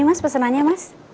ini mas pesenannya mas